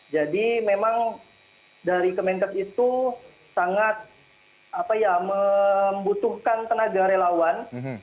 jadi memang dari kementer itu sangat membutuhkan tenaga relawan